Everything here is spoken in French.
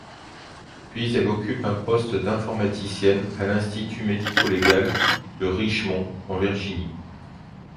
Puis, elle occupe un poste d'informaticienne à l'Institut médico-légal de Richmond en Virginie.